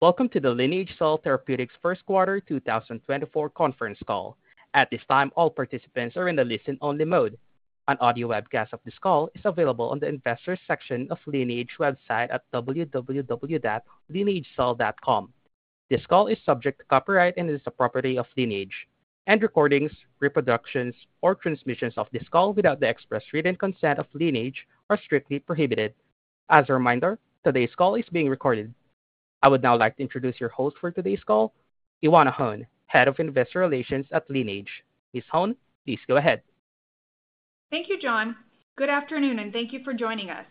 Welcome to the Lineage Cell Therapeutics First Quarter 2024 conference call. At this time, all participants are in the listen-only mode. An audio webcast of this call is available on the investors' section of Lineage website at www.lineagecell.com. This call is subject to copyright and is the property of Lineage. Recordings, reproductions, or transmissions of this call without the express written consent of Lineage are strictly prohibited. As a reminder, today's call is being recorded. I would now like to introduce your host for today's call, Ioana Hone, Head of Investor Relations at Lineage. Ms. Hone, please go ahead. Thank you, John. Good afternoon, and thank you for joining us.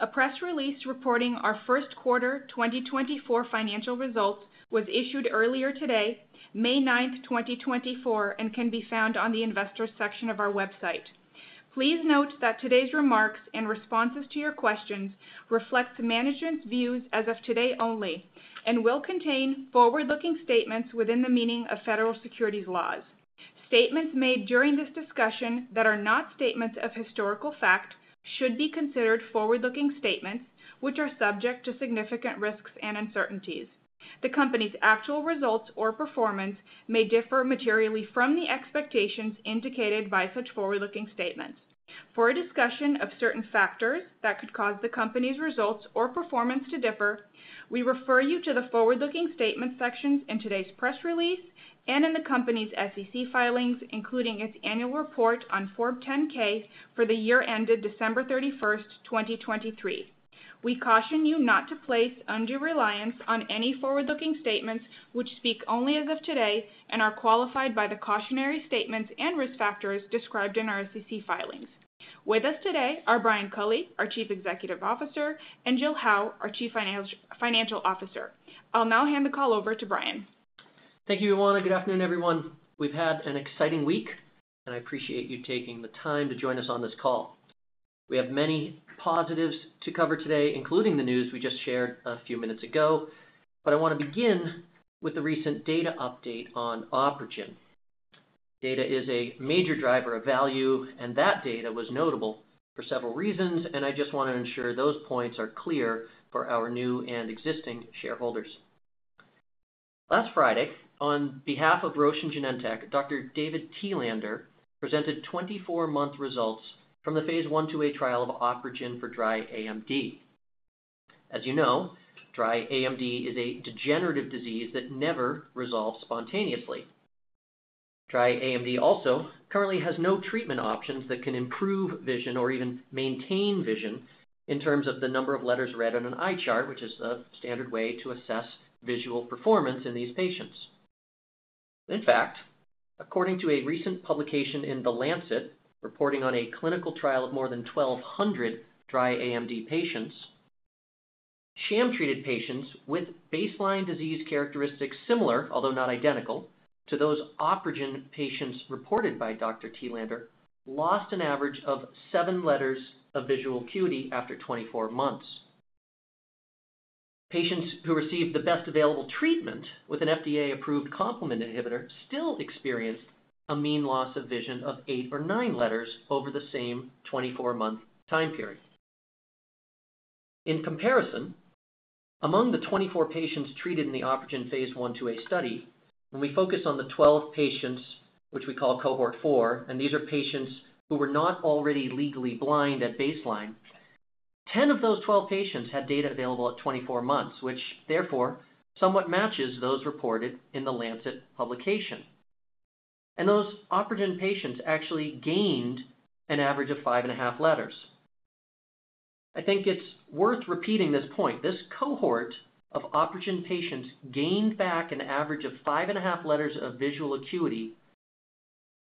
A press release reporting our first quarter 2024 financial results was issued earlier today, 9 May 2024, and can be found on the investors' section of our website. Please note that today's remarks and responses to your questions reflect management's views as of today only and will contain forward-looking statements within the meaning of federal securities laws. Statements made during this discussion that are not statements of historical fact should be considered forward-looking statements, which are subject to significant risks and uncertainties. The company's actual results or performance may differ materially from the expectations indicated by such forward-looking statements. For a discussion of certain factors that could cause the company's results or performance to differ, we refer you to the forward-looking statements sections in today's press release and in the company's SEC filings, including its annual report on Form 10-K for the year ended 31 December 2023. We caution you not to place undue reliance on any forward-looking statements which speak only as of today and are qualified by the cautionary statements and risk factors described in our SEC filings. With us today are Brian Culley, our Chief Executive Officer, and Jill Howe, our Chief Financial Officer. I'll now hand the call over to Brian. Thank you, Ioana. Good afternoon, everyone. We've had an exciting week, and I appreciate you taking the time to join us on this call. We have many positives to cover today, including the news we just shared a few minutes ago, but I want to begin with the recent data update on OpRegen. Data is a major driver of value, and that data was notable for several reasons, and I just want to ensure those points are clear for our new and existing shareholders. Last Friday, on behalf of Roche and Genentech, Dr. David Telander presented 24-month results from the Phase I/IIa trial of OpRegen for dry AMD. As you know, dry AMD is a degenerative disease that never resolves spontaneously. Dry AMD also currently has no treatment options that can improve vision or even maintain vision in terms of the number of letters read on an eye chart, which is the standard way to assess visual performance in these patients. In fact, according to a recent publication in The Lancet reporting on a clinical trial of more than 1,200 dry AMD patients, sham-treated patients with baseline disease characteristics similar (although not identical) to those OpRegen patients reported by Dr. Telander lost an average of seven letters of visual acuity after 24 months. Patients who received the best available treatment with an FDA-approved complement inhibitor still experienced a mean loss of vision of eight or nine letters over the same 24-month time period. In comparison, among the 24 patients treated in the OpRegen Phase I/IIa study, when we focus on the 12 patients which we call Cohort four, and these are patients who were not already legally blind at baseline, 10 of those 12 patients had data available at 24 months, which therefore somewhat matches those reported in the Lancet publication. Those OpRegen patients actually gained an average of 5.5 letters. I think it's worth repeating this point: this cohort of OpRegen patients gained back an average of 5.5 letters of visual acuity,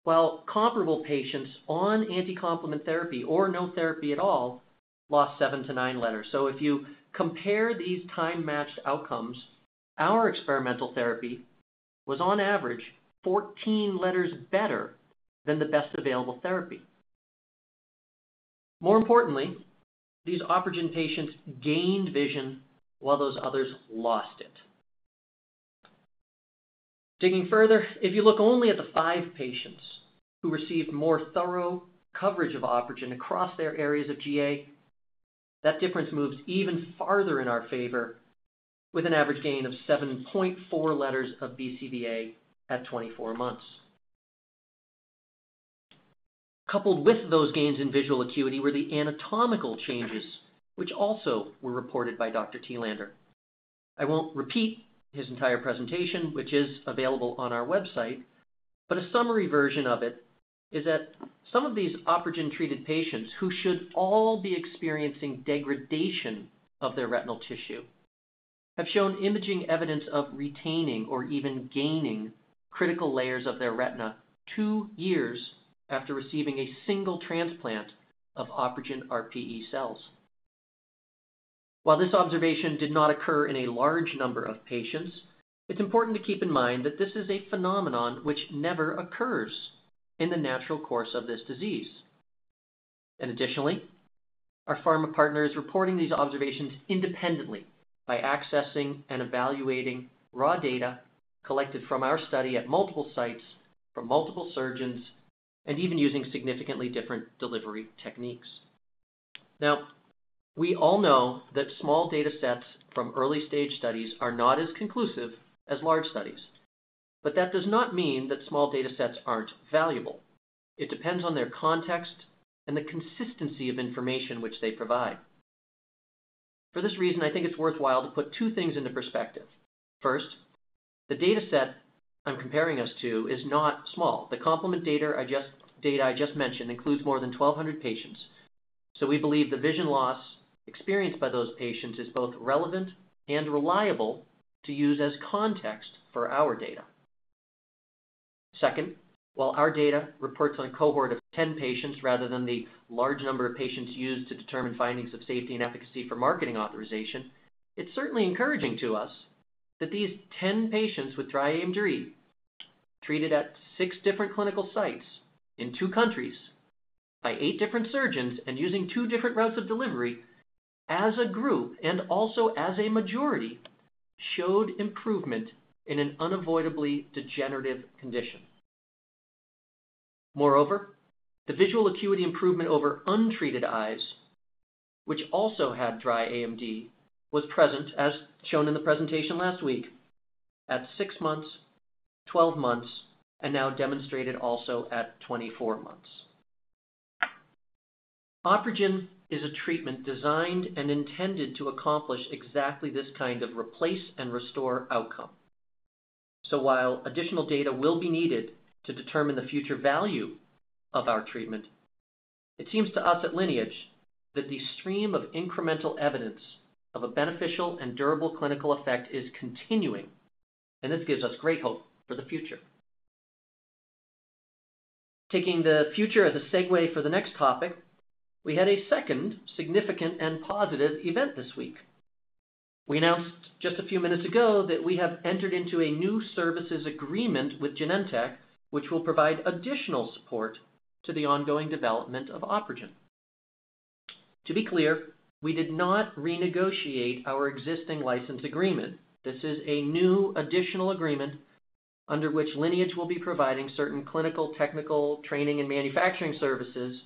while comparable patients on anti-complement therapy or no therapy at all lost seven to nine letters. If you compare these time-matched outcomes, our experimental therapy was on average 14 letters better than the best available therapy. More importantly, these OpRegen patients gained vision while those others lost it. Digging further, if you look only at the 5 patients who received more thorough coverage of OpRegen across their areas of GA, that difference moves even farther in our favor with an average gain of 7.4 letters of BCVA at 24 months. Coupled with those gains in visual acuity were the anatomical changes, which also were reported by Dr. Telander. I won't repeat his entire presentation, which is available on our website, but a summary version of it is that some of these OpRegen-treated patients who should all be experiencing degradation of their retinal tissue have shown imaging evidence of retaining or even gaining critical layers of their retina two years after receiving a single transplant of OpRegen RPE cells. While this observation did not occur in a large number of patients, it's important to keep in mind that this is a phenomenon which never occurs in the natural course of this disease. Additionally, our pharma partner is reporting these observations independently by accessing and evaluating raw data collected from our study at multiple sites, from multiple surgeons, and even using significantly different delivery techniques. Now, we all know that small data sets from early-stage studies are not as conclusive as large studies. That does not mean that small data sets aren't valuable. It depends on their context and the consistency of information which they provide. For this reason, I think it's worthwhile to put two things into perspective. First, the data set I'm comparing us to is not small. The complement data I just mentioned includes more than 1,200 patients, so we believe the vision loss experienced by those patients is both relevant and reliable to use as context for our data. Second, while our data reports on a cohort of 10 patients rather than the large number of patients used to determine findings of safety and efficacy for marketing authorization, it's certainly encouraging to us that these 10 patients with dry AMD treated at six different clinical sites in two countries by eight different surgeons and using two different routes of delivery as a group and also as a majority showed improvement in an unavoidably degenerative condition. Moreover, the visual acuity improvement over untreated eyes, which also had dry AMD, was present, as shown in the presentation last week, at six months, 12 months, and now demonstrated also at 24 months. OpRegen is a treatment designed and intended to accomplish exactly this kind of replace and restore outcome. So while additional data will be needed to determine the future value of our treatment, it seems to us at Lineage that the stream of incremental evidence of a beneficial and durable clinical effect is continuing, and this gives us great hope for the future. Taking the future as a segue for the next topic, we had a second significant and positive event this week. We announced just a few minutes ago that we have entered into a new services agreement with Genentech, which will provide additional support to the ongoing development of OpRegen. To be clear, we did not renegotiate our existing license agreement. This is a new additional agreement under which Lineage will be providing certain clinical, technical, training, and manufacturing services,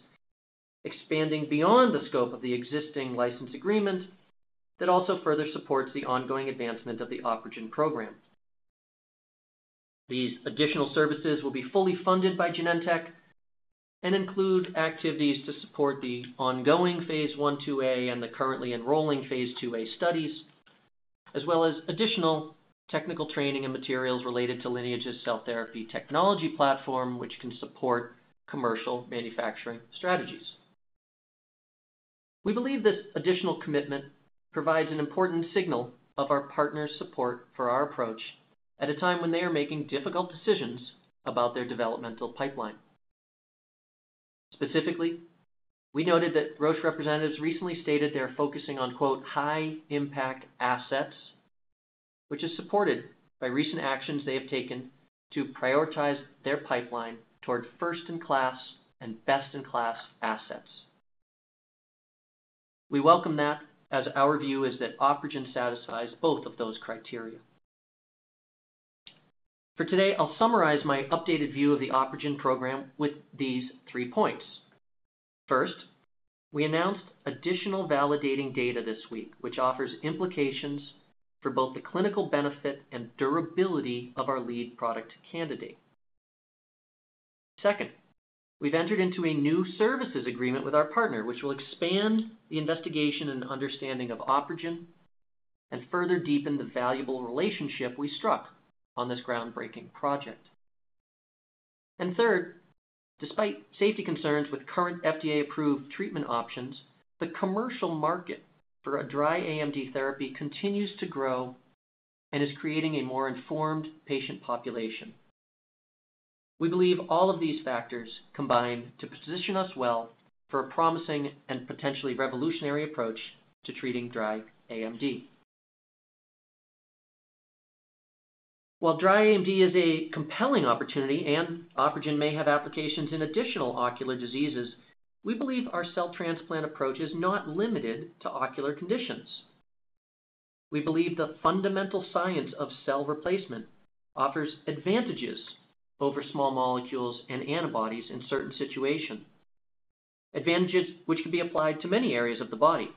expanding beyond the scope of the existing license agreement that also further supports the ongoing advancement of the OpRegen program. These additional services will be fully funded by Genentech and include activities to support the ongoing Phase I/IIa and the currently enrolling Phase IIa studies, as well as additional technical training and materials related to Lineage's cell therapy technology platform, which can support commercial manufacturing strategies. We believe this additional commitment provides an important signal of our partner's support for our approach at a time when they are making difficult decisions about their developmental pipeline. Specifically, we noted that Roche representatives recently stated they are focusing on "high-impact assets," which is supported by recent actions they have taken to prioritize their pipeline toward first-in-class and best-in-class assets. We welcome that, as our view is that OpRegen satisfies both of those criteria. For today, I'll summarize my updated view of the OpRegen program with these 3 points. First, we announced additional validating data this week, which offers implications for both the clinical benefit and durability of our lead product candidate. Second, we've entered into a new services agreement with our partner, which will expand the investigation and understanding of OpRegen and further deepen the valuable relationship we struck on this groundbreaking project. And third, despite safety concerns with current FDA-approved treatment options, the commercial market for a dry AMD therapy continues to grow and is creating a more informed patient population. We believe all of these factors combine to position us well for a promising and potentially revolutionary approach to treating dry AMD. While dry AMD is a compelling opportunity and OpRegen may have applications in additional ocular diseases, we believe our cell transplant approach is not limited to ocular conditions. We believe the fundamental science of cell replacement offers advantages over small molecules and antibodies in certain situations, advantages which can be applied to many areas of the body.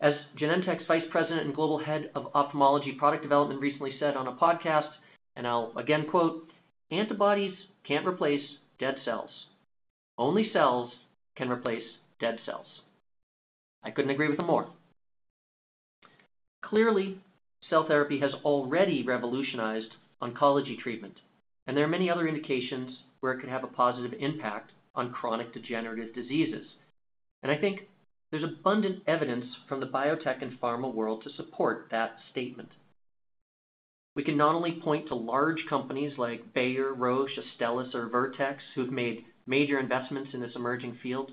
As Genentech's Vice President and Global Head of Ophthalmology Product Development recently said on a podcast, and I'll again quote, "Antibodies can't replace dead cells. Only cells can replace dead cells." I couldn't agree with them more. Clearly, cell therapy has already revolutionized oncology treatment, and there are many other indications where it can have a positive impact on chronic degenerative diseases. I think there's abundant evidence from the biotech and pharma world to support that statement. We can not only point to large companies like Bayer, Roche, Astellas, or Vertex who have made major investments in this emerging field,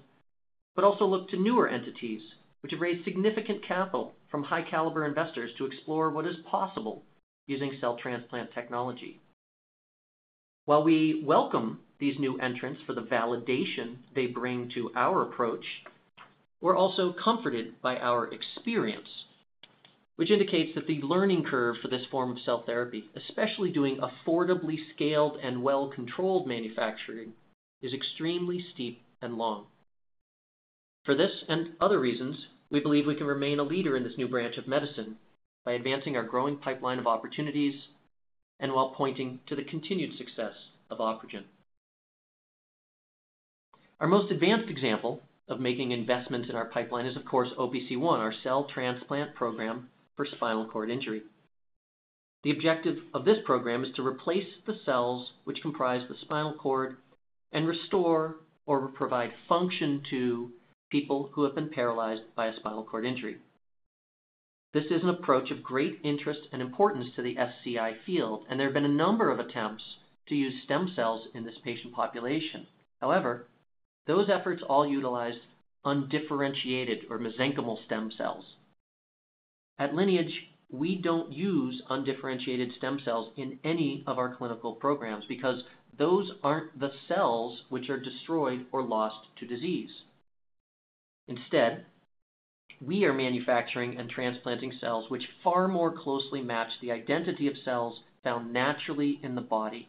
but also look to newer entities which have raised significant capital from high-caliber investors to explore what is possible using cell transplant technology. While we welcome these new entrants for the validation they bring to our approach, we're also comforted by our experience, which indicates that the learning curve for this form of cell therapy, especially doing affordably scaled and well-controlled manufacturing, is extremely steep and long. For this and other reasons, we believe we can remain a leader in this new branch of medicine by advancing our growing pipeline of opportunities and while pointing to the continued success of OpRegen. Our most advanced example of making investments in our pipeline is, of course, OPC1, our cell transplant program for spinal cord injury. The objective of this program is to replace the cells which comprise the spinal cord and restore or provide function to people who have been paralyzed by a spinal cord injury. This is an approach of great interest and importance to the SCI field, and there have been a number of attempts to use stem cells in this patient population. However, those efforts all utilized undifferentiated or mesenchymal stem cells. At Lineage, we don't use undifferentiated stem cells in any of our clinical programs because those aren't the cells which are destroyed or lost to disease. Instead, we are manufacturing and transplanting cells which far more closely match the identity of cells found naturally in the body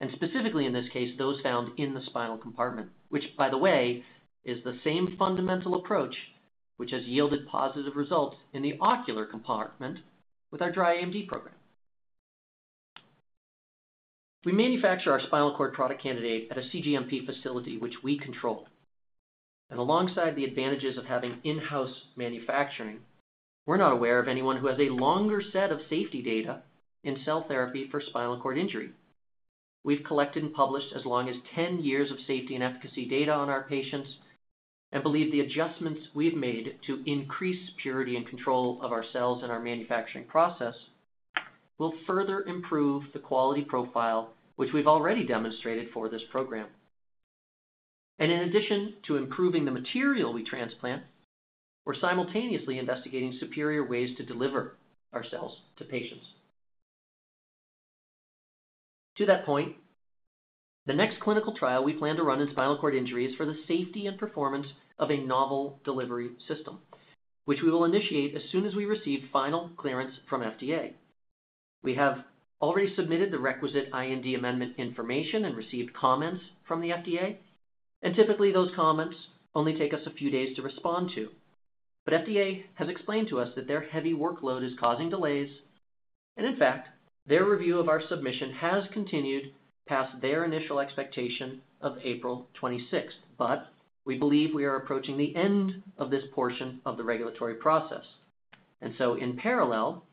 and specifically, in this case, those found in the spinal compartment, which, by the way, is the same fundamental approach which has yielded positive results in the ocular compartment with our dry AMD program. We manufacture our spinal cord product candidate at a cGMP facility which we control. Alongside the advantages of having in-house manufacturing, we're not aware of anyone who has a longer set of safety data in cell therapy for spinal cord injury. We've collected and published as long as 10 years of safety and efficacy data on our patients and believe the adjustments we've made to increase purity and control of our cells in our manufacturing process will further improve the quality profile which we've already demonstrated for this program. In addition to improving the material we transplant, we're simultaneously investigating superior ways to deliver our cells to patients. To that point, the next clinical trial we plan to run in spinal cord injury is for the safety and performance of a novel delivery system, which we will initiate as soon as we receive final clearance from FDA. We have already submitted the requisite IND amendment information and received comments from the FDA, and typically those comments only take us a few days to respond to. FDA has explained to us that their heavy workload is causing delays, and in fact, their review of our submission has continued past their initial expectation of April 26. We believe we are approaching the end of this portion of the regulatory process, and so in parallel,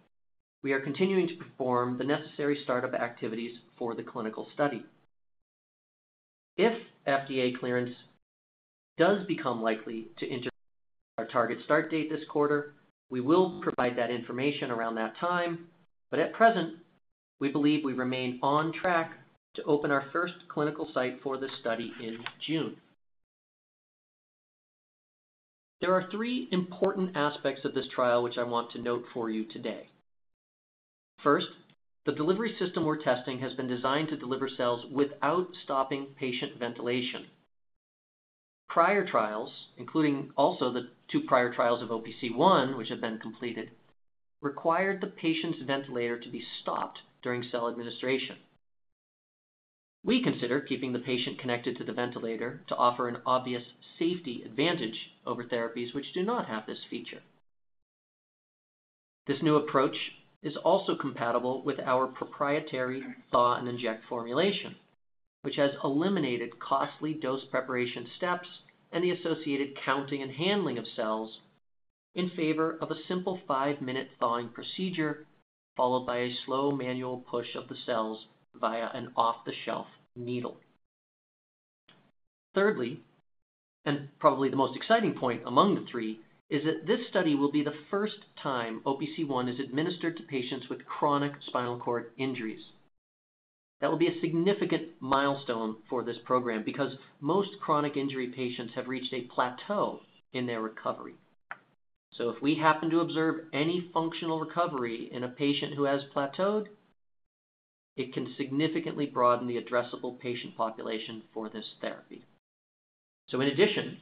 we are continuing to perform the necessary startup activities for the clinical study. If FDA clearance does become likely to intercept our target start date this quarter, we will provide that information around that time. At present, we believe we remain on track to open our first clinical site for this study in June. There are 3 important aspects of this trial which I want to note for you today. First, the delivery system we're testing has been designed to deliver cells without stopping patient ventilation. Prior trials, including also the 2 prior trials of OPC1 which have been completed, required the patient's ventilator to be stopped during cell administration. We consider keeping the patient connected to the ventilator to offer an obvious safety advantage over therapies which do not have this feature. This new approach is also compatible with our proprietary Thaw-and-Inject formulation, which has eliminated costly dose preparation steps and the associated counting and handling of cells in favor of a simple 5-minute thawing procedure followed by a slow manual push of the cells via an off-the-shelf needle. Thirdly, and probably the most exciting point among the three, is that this study will be the first time OPC1 is administered to patients with chronic spinal cord injuries. That will be a significant milestone for this program because most chronic injury patients have reached a plateau in their recovery. So if we happen to observe any functional recovery in a patient who has plateaued, it can significantly broaden the addressable patient population for this therapy. In addition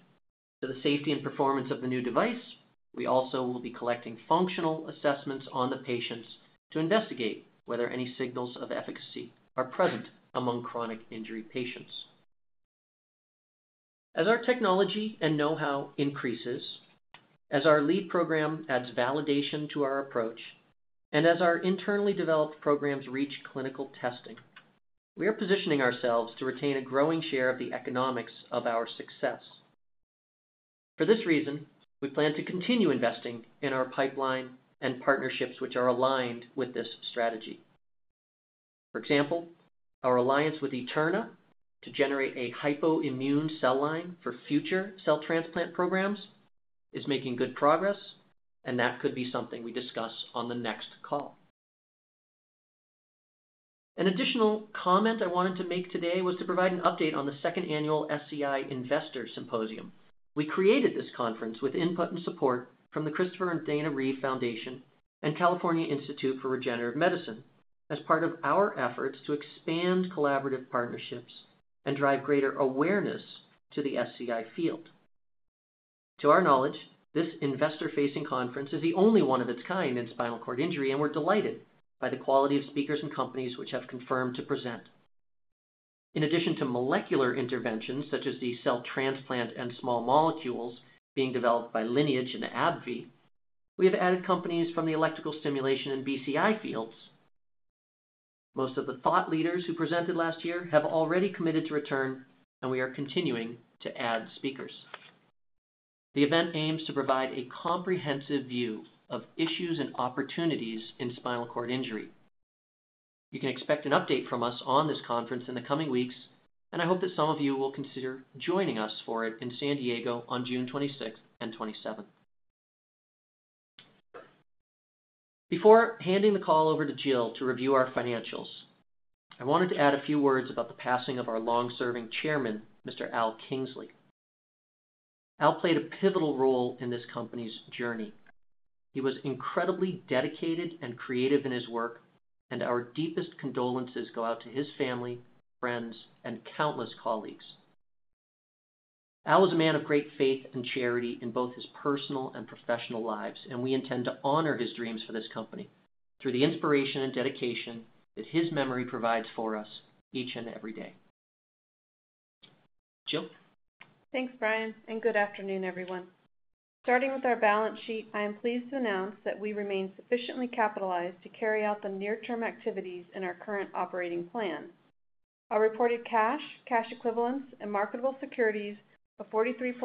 to the safety and performance of the new device, we also will be collecting functional assessments on the patients to investigate whether any signals of efficacy are present among chronic injury patients. As our technology and know-how increases, as our lead program adds validation to our approach, and as our internally developed programs reach clinical testing, we are positioning ourselves to retain a growing share of the economics of our success. For this reason, we plan to continue investing in our pipeline and partnerships which are aligned with this strategy. For example, our alliance with Eterna to generate a hypoimmune cell line for future cell transplant programs is making good progress, and that could be something we discuss on the next call. An additional comment I wanted to make today was to provide an update on the 2nd Annual SCI Investor Symposium. We created this conference with input and support from the Christopher and Dana Reeve Foundation and California Institute for Regenerative Medicine as part of our efforts to expand collaborative partnerships and drive greater awareness to the SCI field. To our knowledge, this investor-facing conference is the only one of its kind in spinal cord injury, and we're delighted by the quality of speakers and companies which have confirmed to present. In addition to molecular interventions such as the cell transplant and small molecules being developed by Lineage and AbbVie, we have added companies from the electrical stimulation and BCI fields. Most of the thought leaders who presented last year have already committed to return, and we are continuing to add speakers. The event aims to provide a comprehensive view of issues and opportunities in spinal cord injury. You can expect an update from us on this conference in the coming weeks, and I hope that some of you will consider joining us for it in San Diego on June 26 and 27. Before handing the call over to Jill to review our financials, I wanted to add a few words about the passing of our long-serving chairman, Mr. Al Kingsley. Al played a pivotal role in this company's journey. He was incredibly dedicated and creative in his work, and our deepest condolences go out to his family, friends, and countless colleagues. Al is a man of great faith and charity in both his personal and professional lives, and we intend to honor his dreams for this company through the inspiration and dedication that his memory provides for us each and every day. Jill? Thanks, Brian, and good afternoon, everyone. Starting with our balance sheet, I am pleased to announce that we remain sufficiently capitalized to carry out the near-term activities in our current operating plan. Our reported cash, cash equivalents, and marketable securities of $43.6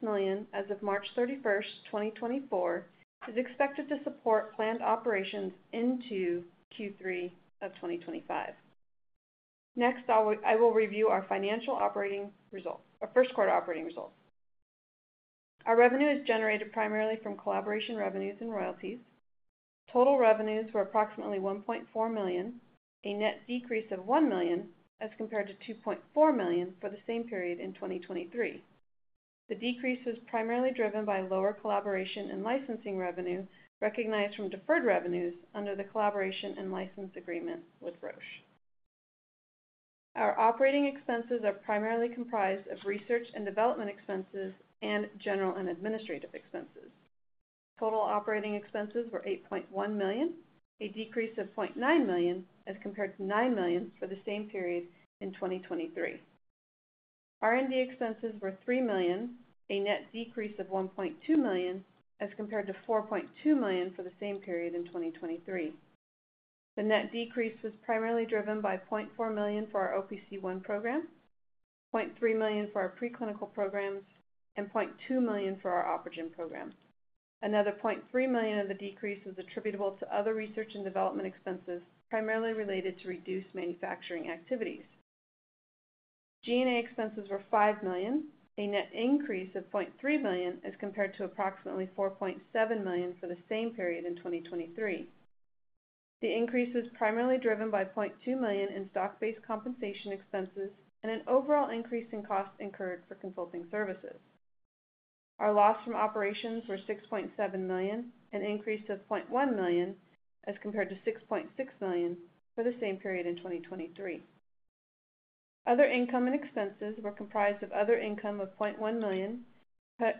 million as of 31 March 2024, is expected to support planned operations into Q3 of 2025. Next, I will review our financial operating results, our first quarter operating results. Our revenue is generated primarily from collaboration revenues and royalties. Total revenues were approximately $1.4 million, a net decrease of $1 million as compared to $2.4 million for the same period in 2023. The decrease was primarily driven by lower collaboration and licensing revenue recognized from deferred revenues under the collaboration and license agreement with Roche. Our operating expenses are primarily comprised of research and development expenses and general and administrative expenses. Total operating expenses were $8.1 million, a decrease of $0.9 million as compared to $9 million for the same period in 2023. R&D expenses were $3 million, a net decrease of $1.2 million as compared to $4.2 million for the same period in 2023. The net decrease was primarily driven by $0.4 million for our OPC1 program, $0.3 million for our preclinical programs, and $0.2 million for our OpRegen program. Another $0.3 million of the decrease was attributable to other research and development expenses primarily related to reduced manufacturing activities. G&A expenses were $5 million, a net increase of $0.3 million as compared to approximately $4.7 million for the same period in 2023. The increase was primarily driven by $0.2 million in stock-based compensation expenses and an overall increase in cost incurred for consulting services. Our loss from operations were $6.7 million, an increase of $0.1 million as compared to $6.6 million for the same period in 2023. Other income and expenses were comprised of other income of $0.1 million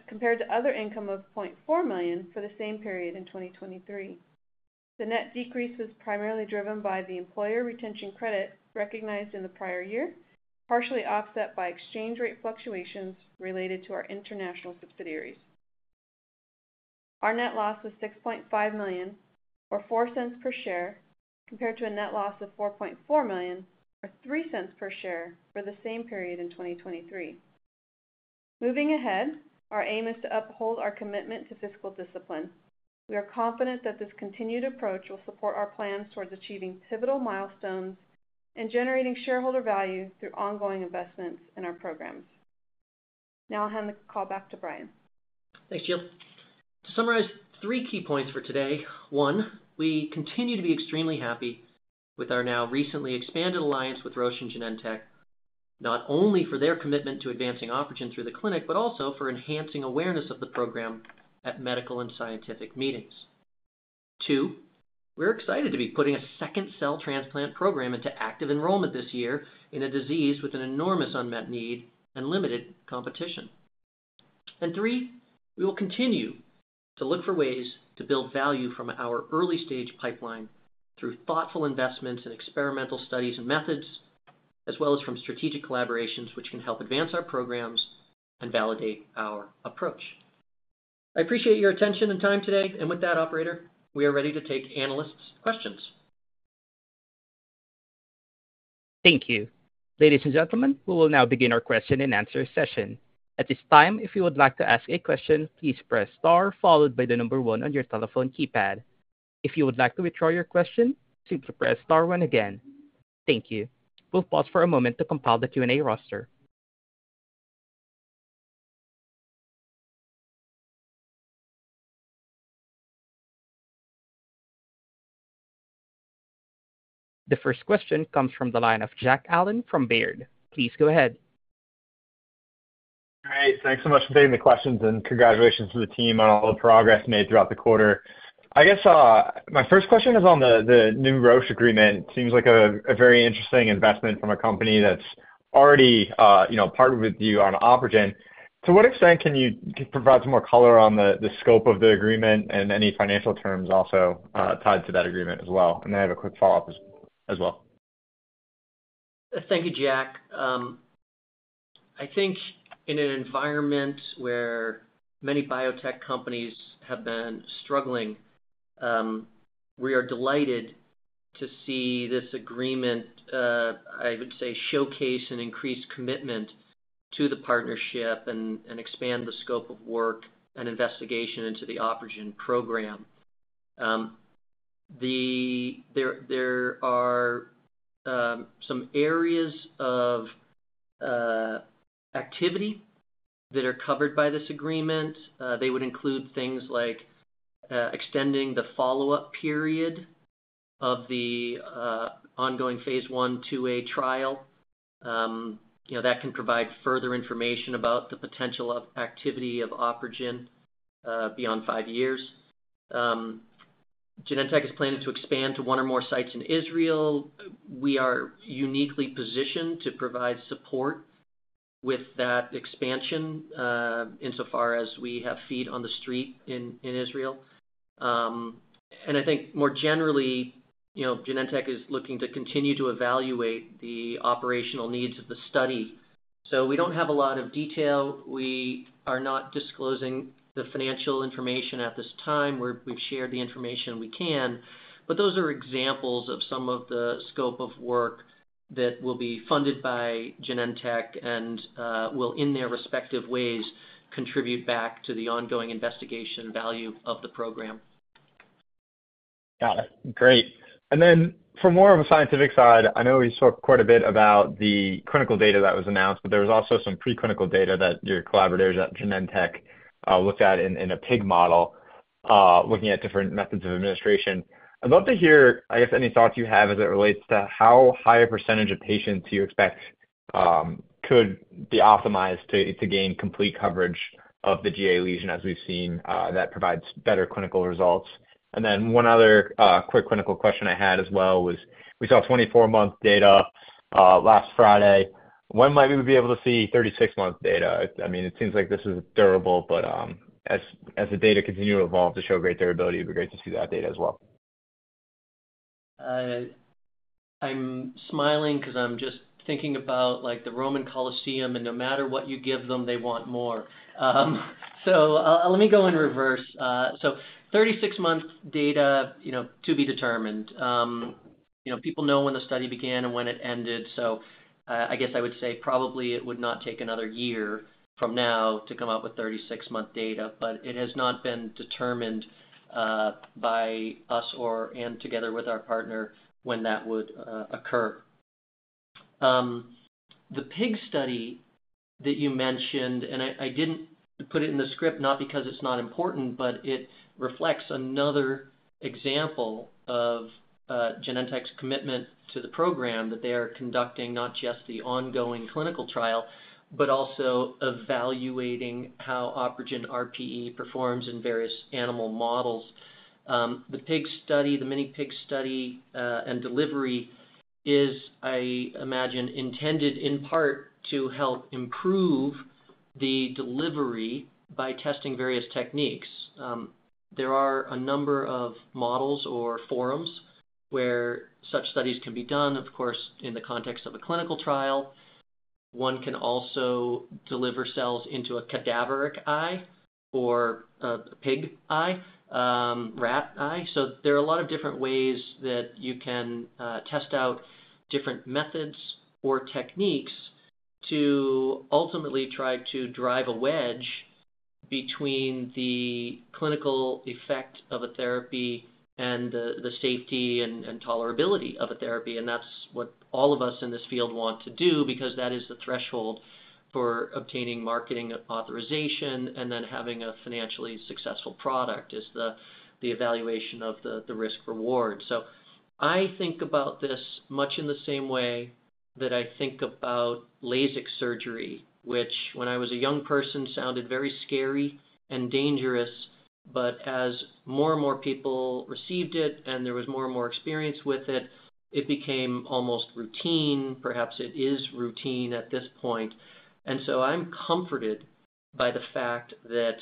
compared to other income of $0.4 million for the same period in 2023. The net decrease was primarily driven by the employer retention credit recognized in the prior year, partially offset by exchange rate fluctuations related to our international subsidiaries. Our net loss was $6.5 million or $0.04 per share compared to a net loss of $4.4 million or $0.03 per share for the same period in 2023. Moving ahead, our aim is to uphold our commitment to fiscal discipline. We are confident that this continued approach will support our plans towards achieving pivotal milestones and generating shareholder value through ongoing investments in our programs. Now I'll hand the call back to Brian. Thanks, Jill. To summarize three key points for today. One, we continue to be extremely happy with our now recently expanded alliance with Roche and Genentech, not only for their commitment to advancing OpRegen through the clinic but also for enhancing awareness of the program at medical and scientific meetings. Two, we're excited to be putting a 2nd cell transplant program into active enrollment this year in a disease with an enormous unmet need and limited competition. And three, we will continue to look for ways to build value from our early-stage pipeline through thoughtful investments in experimental studies and methods, as well as from strategic collaborations which can help advance our programs and validate our approach. I appreciate your attention and time today, and with that, operator, we are ready to take analysts' questions. Thank you. Ladies and gentlemen, we will now begin our question and answer session. At this time, if you would like to ask a question, please press star followed by the number one on your telephone keypad. If you would like to withdraw your question, simply press star one again. Thank you. We'll pause for a moment to compile the Q&A roster. The first question comes from the line of Jack Allen from Baird. Please go ahead. All right. Thanks so much for taking the questions, and congratulations to the team on all the progress made throughout the quarter. I guess my first question is on the new Roche agreement. It seems like a very interesting investment from a company that's already partnered with you on OpRegen. To what extent can you provide some more color on the scope of the agreement and any financial terms also tied to that agreement as well? And then I have a quick follow-up as well. Thank you, Jack. I think in an environment where many biotech companies have been struggling, we are delighted to see this agreement, I would say, showcase an increased commitment to the partnership and expand the scope of work and investigation into the OpRegen program. There are some areas of activity that are covered by this agreement. They would include things like extending the follow-up period of the ongoing Phase I/IIa trial. That can provide further information about the potential activity of OpRegen beyond five years. Genentech is planning to expand to one or more sites in Israel. We are uniquely positioned to provide support with that expansion insofar as we have feet on the street in Israel. I think more generally, Genentech is looking to continue to evaluate the operational needs of the study. We don't have a lot of detail. We are not disclosing the financial information at this time. We've shared the information we can. But those are examples of some of the scope of work that will be funded by Genentech and will, in their respective ways, contribute back to the ongoing investigational value of the program. Got it. Great. And then from more of a scientific side, I know we spoke quite a bit about the clinical data that was announced, but there was also some preclinical data that your collaborators at Genentech looked at in a pig model looking at different methods of administration. I'd love to hear, I guess, any thoughts you have as it relates to how high a percentage of patients you expect could be optimized to gain complete coverage of the GA lesion as we've seen that provides better clinical results. And then one other quick clinical question I had as well was we saw 24-month data last Friday. When might we be able to see 36-month data? I mean, it seems like this is durable, but as the data continue to evolve to show great durability, it'd be great to see that data as well. I'm smiling because I'm just thinking about the Roman Colosseum, and no matter what you give them, they want more. So let me go in reverse. So 36-month data to be determined. People know when the study began and when it ended, so I guess I would say probably it would not take another year from now to come out with 36-month data, but it has not been determined by us and together with our partner when that would occur. The pig study that you mentioned and I didn't put it in the script not because it's not important, but it reflects another example of Genentech's commitment to the program that they are conducting not just the ongoing clinical trial but also evaluating how OpRegen RPE performs in various animal models. The pig study, the mini-pig study and delivery, is, I imagine, intended in part to help improve the delivery by testing various techniques. There are a number of models or forums where such studies can be done, of course, in the context of a clinical trial. One can also deliver cells into a cadaveric eye or a pig eye, rat eye. So there are a lot of different ways that you can test out different methods or techniques to ultimately try to drive a wedge between the clinical effect of a therapy and the safety and tolerability of a therapy. And that's what all of us in this field want to do because that is the threshold for obtaining marketing authorization and then having a financially successful product is the evaluation of the risk-reward. So I think about this much in the same way that I think about LASIK surgery, which when I was a young person sounded very scary and dangerous, but as more and more people received it and there was more and more experience with it, it became almost routine. Perhaps it is routine at this point. And so I'm comforted by the fact that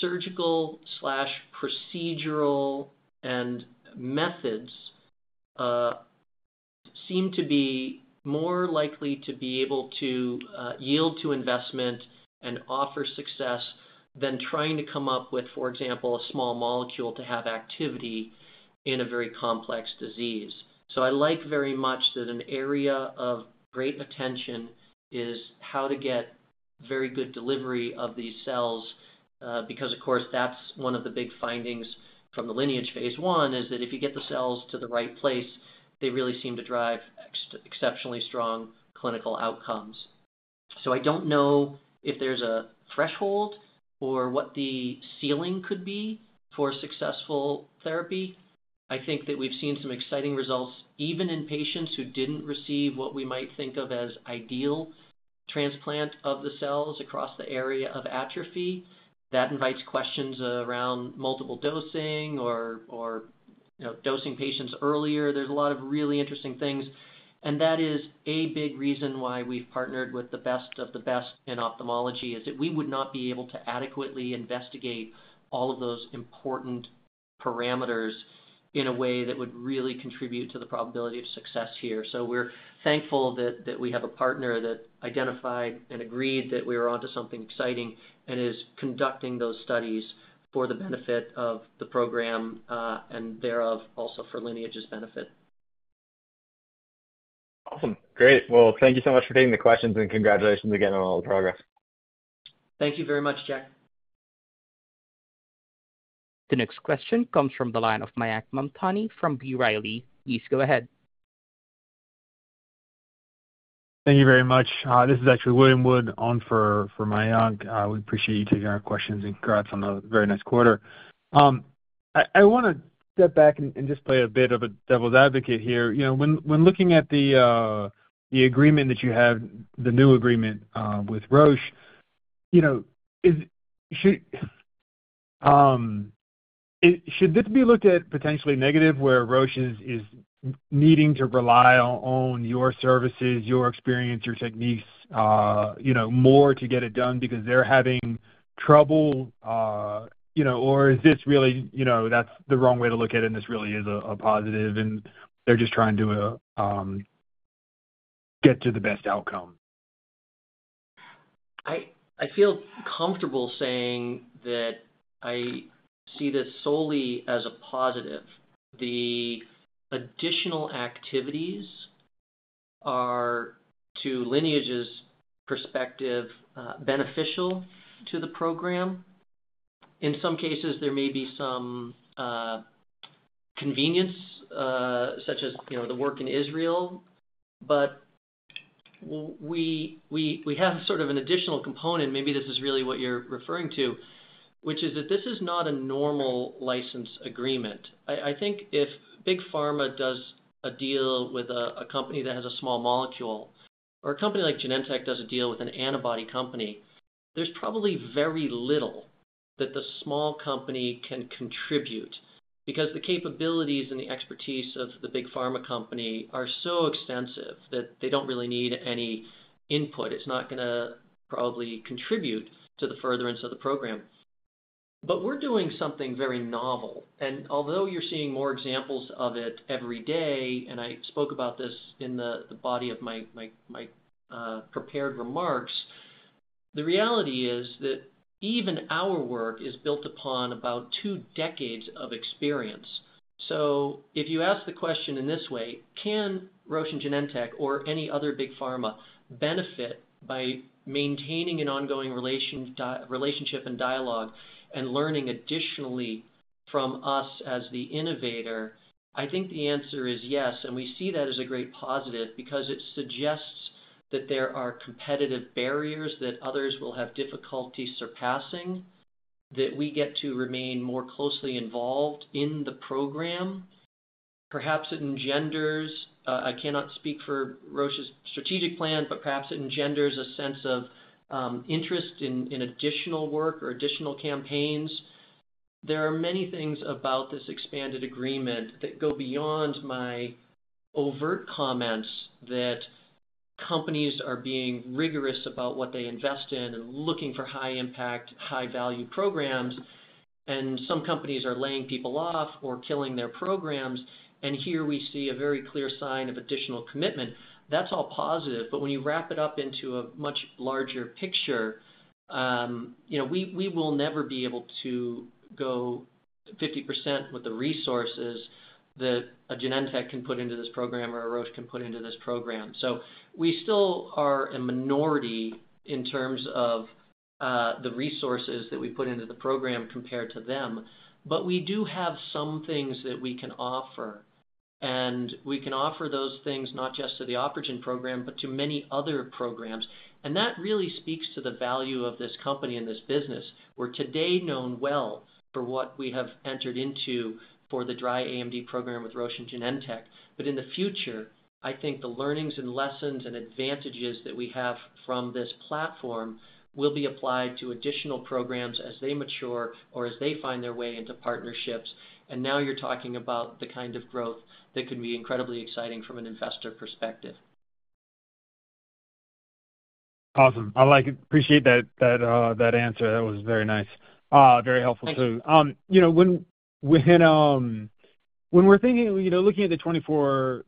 surgical/procedural and methods seem to be more likely to be able to yield to investment and offer success than trying to come up with, for example, a small molecule to have activity in a very complex disease. So I like very much that an area of great attention is how to get very good delivery of these cells because, of course, that's one of the big findings from the Lineage Phase I, is that if you get the cells to the right place, they really seem to drive exceptionally strong clinical outcomes. So I don't know if there's a threshold or what the ceiling could be for successful therapy. I think that we've seen some exciting results even in patients who didn't receive what we might think of as ideal transplant of the cells across the area of atrophy. That invites questions around multiple dosing or dosing patients earlier. There's a lot of really interesting things. And that is a big reason why we've partnered with the best of the best in ophthalmology is that we would not be able to adequately investigate all of those important parameters in a way that would really contribute to the probability of success here. So we're thankful that we have a partner that identified and agreed that we were onto something exciting and is conducting those studies for the benefit of the program and thereof also for Lineage's benefit. Awesome. Great. Well, thank you so much for taking the questions, and congratulations again on all the progress. Thank you very much, Jack. The next question comes from the line of Mayank Mamtani from B. Riley. Please go ahead. Thank you very much. This is actually William Wood on for Mayank. We appreciate you taking our questions, and congrats on a very nice quarter. I want to step back and just play a bit of a devil's advocate here. When looking at the agreement that you have, the new agreement with Roche, should this be looked at potentially negative where Roche is needing to rely on your services, your experience, your techniques more to get it done because they're having trouble, or is this really that's the wrong way to look at it, and this really is a positive, and they're just trying to get to the best outcome? I feel comfortable saying that I see this solely as a positive. The additional activities are, to Lineage's perspective, beneficial to the program. In some cases, there may be some convenience such as the work in Israel. But we have sort of an additional component, maybe this is really what you're referring to, which is that this is not a normal license agreement. I think if Big Pharma does a deal with a company that has a small molecule or a company like Genentech does a deal with an antibody company, there's probably very little that the small company can contribute because the capabilities and the expertise of the Big Pharma company are so extensive that they don't really need any input. It's not going to probably contribute to the furtherance of the program. But we're doing something very novel. And although you're seeing more examples of it every day, and I spoke about this in the body of my prepared remarks, the reality is that even our work is built upon about two decades of experience. So if you ask the question in this way, can Roche and Genentech or any other Big Pharma benefit by maintaining an ongoing relationship and dialogue and learning additionally from us as the innovator? I think the answer is yes, and we see that as a great positive because it suggests that there are competitive barriers that others will have difficulty surpassing, that we get to remain more closely involved in the program. Perhaps it engenders, I cannot speak for Roche's strategic plan, but perhaps it engenders a sense of interest in additional work or additional campaigns. There are many things about this expanded agreement that go beyond my overt comments that companies are being rigorous about what they invest in and looking for high-impact, high-value programs, and some companies are laying people off or killing their programs, and here we see a very clear sign of additional commitment. That's all positive, but when you wrap it up into a much larger picture, we will never be able to go 50% with the resources that a Genentech can put into this program or a Roche can put into this program. So we still are a minority in terms of the resources that we put into the program compared to them, but we do have some things that we can offer. And we can offer those things not just to the OpRegen program but to many other programs. And that really speaks to the value of this company and this business. We're today known well for what we have entered into for the dry AMD program with Roche Genentech. But in the future, I think the learnings and lessons and advantages that we have from this platform will be applied to additional programs as they mature or as they find their way into partnerships. And now you're talking about the kind of growth that could be incredibly exciting from an investor perspective. Awesome. I appreciate that answer. That was very nice. Very helpful too. When we're looking at the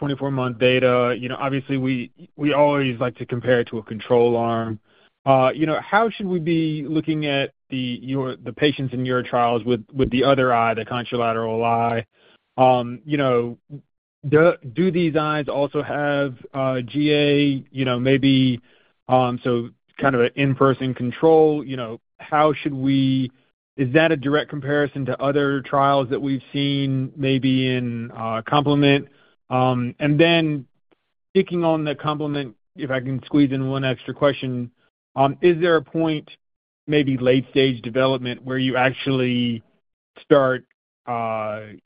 24-month data, obviously, we always like to compare it to a control arm. How should we be looking at the patients in your trials with the other eye, the contralateral eye? Do these eyes also have GA? Maybe so kind of an in-person control. How should we is that a direct comparison to other trials that we've seen maybe in complement? And then sticking on the complement, if I can squeeze in one extra question, is there a point, maybe late-stage development, where you actually start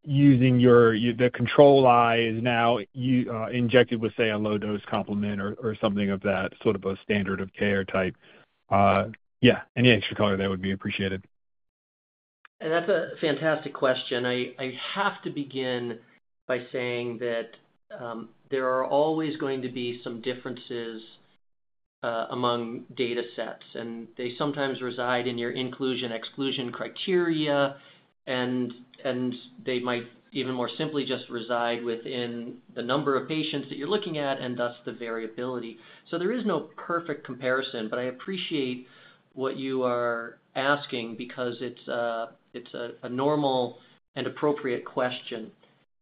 using your the control eye is now injected with, say, a low-dose complement or something of that sort of a standard of care type? Yeah. Any extra color there would be appreciated. And that's a fantastic question. I have to begin by saying that there are always going to be some differences among datasets, and they sometimes reside in your inclusion/exclusion criteria, and they might even more simply just reside within the number of patients that you're looking at and thus the variability. So there is no perfect comparison, but I appreciate what you are asking because it's a normal and appropriate question.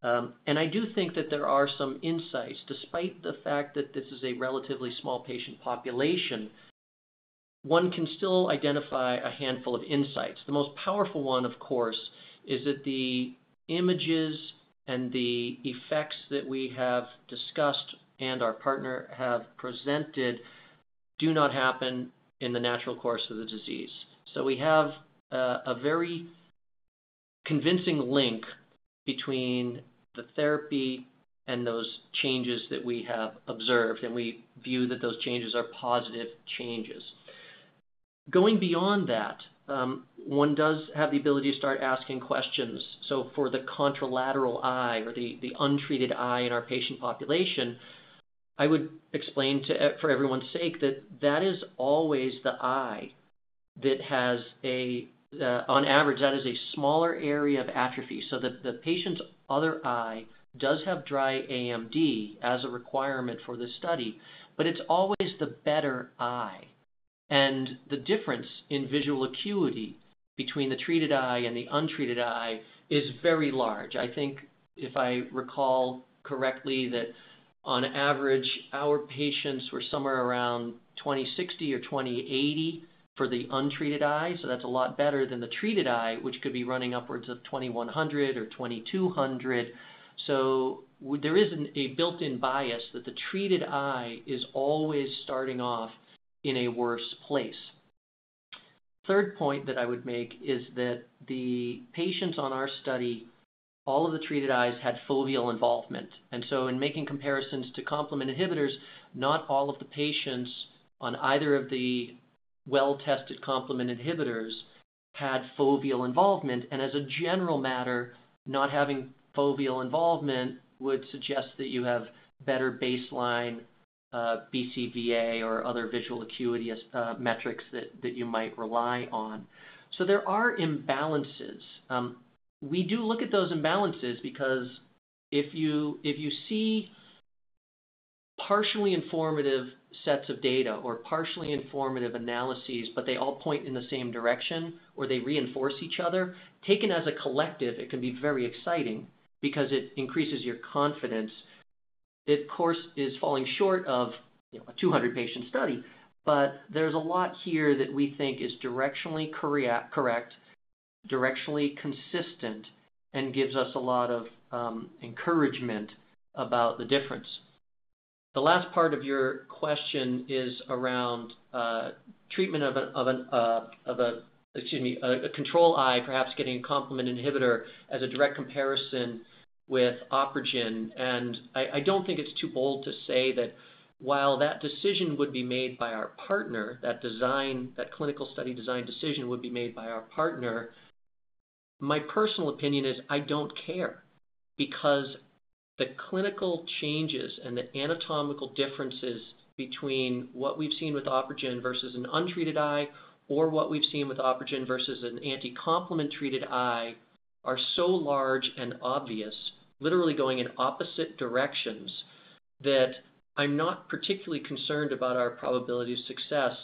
And I do think that there are some insights. Despite the fact that this is a relatively small patient population, one can still identify a handful of insights. The most powerful one, of course, is that the images and the effects that we have discussed and our partner have presented do not happen in the natural course of the disease. So we have a very convincing link between the therapy and those changes that we have observed, and we view that those changes are positive changes. Going beyond that, one does have the ability to start asking questions. So for the contralateral eye or the untreated eye in our patient population, I would explain for everyone's sake that that is always the eye that has, on average, a smaller area of atrophy. So the patient's other eye does have dry AMD as a requirement for this study, but it's always the better eye. The difference in visual acuity between the treated eye and the untreated eye is very large. I think, if I recall correctly, that on average, our patients were somewhere around 20/60 or 20/80 for the untreated eye. That's a lot better than the treated eye, which could be running upwards of 20/100 or 20/200. There is a built-in bias that the treated eye is always starting off in a worse place. Third point that I would make is that the patients on our study, all of the treated eyes had foveal involvement. So in making comparisons to complement inhibitors, not all of the patients on either of the well-tested complement inhibitors had foveal involvement. And as a general matter, not having foveal involvement would suggest that you have better baseline BCVA or other visual acuity metrics that you might rely on. So there are imbalances. We do look at those imbalances because if you see partially informative sets of data or partially informative analyses, but they all point in the same direction or they reinforce each other, taken as a collective, it can be very exciting because it increases your confidence. It, of course, is falling short of a 200-patient study, but there's a lot here that we think is directionally correct, directionally consistent, and gives us a lot of encouragement about the difference. The last part of your question is around treatment of a - a control eye, perhaps getting a complement inhibitor as a direct comparison with OpRegen. I don't think it's too bold to say that while that decision would be made by our partner, that clinical study design decision would be made by our partner, my personal opinion is I don't care because the clinical changes and the anatomical differences between what we've seen with OpRegen versus an untreated eye or what we've seen with OpRegen versus an anti-Complement treated eye are so large and obvious, literally going in opposite directions, that I'm not particularly concerned about our probability of success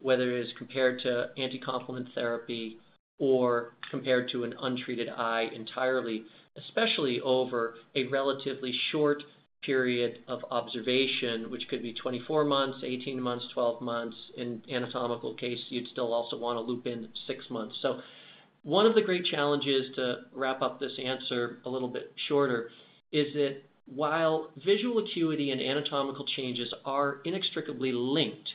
whether it is compared to anti-Complement therapy or compared to an untreated eye entirely, especially over a relatively short period of observation, which could be 24 months, 18 months, 12 months. In anatomical case, you'd still also want to loop in six months. So one of the great challenges to wrap up this answer a little bit shorter is that while visual acuity and anatomical changes are inextricably linked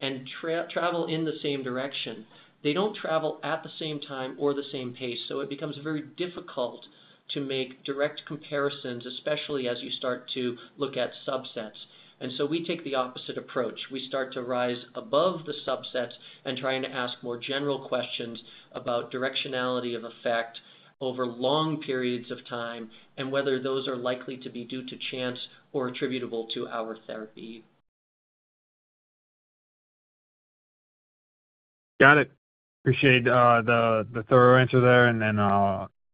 and travel in the same direction, they don't travel at the same time or the same pace. So it becomes very difficult to make direct comparisons, especially as you start to look at subsets. And so we take the opposite approach. We start to rise above the subsets and try and ask more general questions about directionality of effect over long periods of time and whether those are likely to be due to chance or attributable to our therapy. Got it. Appreciate the thorough answer there, and then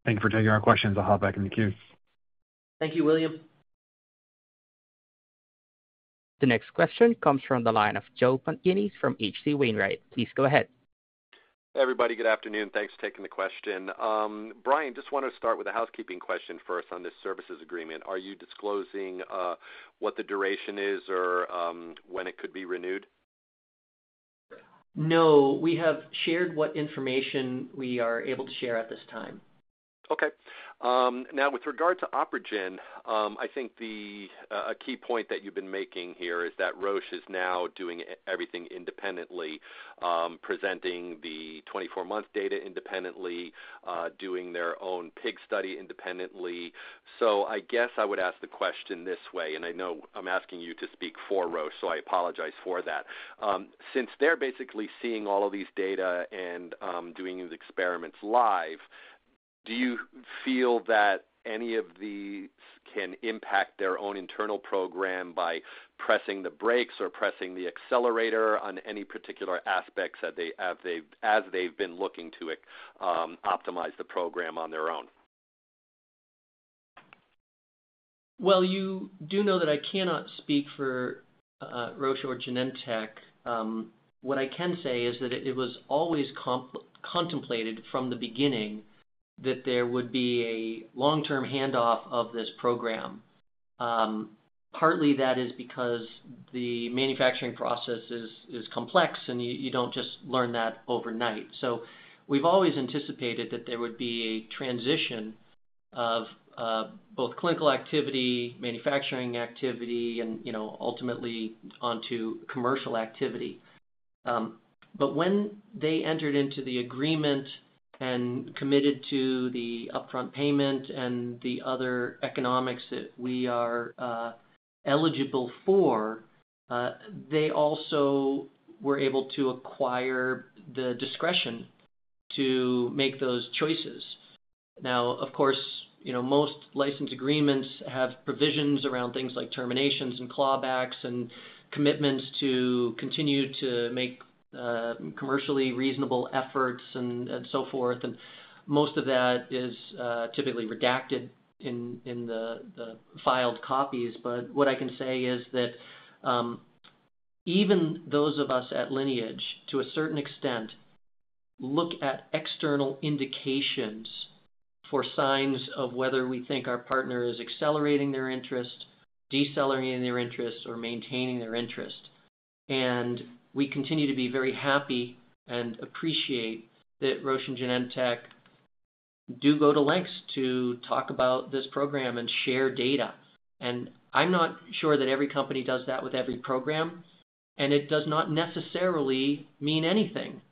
thank you for taking our questions. I'll hop back into queue. Thank you, William. The next question comes from the line of Joe Pantginis from H.C. Wainwright. Please go ahead. Hey, everybody. Good afternoon. Thanks for taking the question. Brian, just want to start with a housekeeping question first on this services agreement. Are you disclosing what the duration is or when it could be renewed? No. We have shared what information we are able to share at this time. Okay. Now, with regard to OpRegen, I think a key point that you've been making here is that Roche is now doing everything independently, presenting the 24-month data independently, doing their own pivotal study independently. So I guess I would ask the question this way, and I know I'm asking you to speak for Roche, so I apologize for that. Since they're basically seeing all of these data and doing these experiments live, do you feel that any of these can impact their own internal program by pressing the brakes or pressing the accelerator on any particular aspects as they've been looking to optimize the program on their own? Well, you do know that I cannot speak for Roche or Genentech. What I can say is that it was always contemplated from the beginning that there would be a long-term handoff of this program. Partly, that is because the manufacturing process is complex, and you don't just learn that overnight. So we've always anticipated that there would be a transition of both clinical activity, manufacturing activity, and ultimately onto commercial activity. But when they entered into the agreement and committed to the upfront payment and the other economics that we are eligible for, they also were able to acquire the discretion to make those choices. Now, of course, most license agreements have provisions around things like terminations and clawbacks and commitments to continue to make commercially reasonable efforts and so forth. And most of that is typically redacted in the filed copies. But what I can say is that even those of us at Lineage, to a certain extent, look at external indications for signs of whether we think our partner is accelerating their interest, decelerating their interest, or maintaining their interest. And we continue to be very happy and appreciate that Roche and Genentech do go to lengths to talk about this program and share data. And I'm not sure that every company does that with every program, and it does not necessarily mean anything.